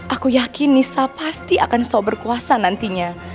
aku yakin nisa pasti akan soberkuasa nantinya